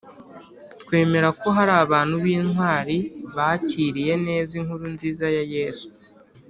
twemere ko hari abantu b’intwari bakiriye neza inkuru nziza ya yezu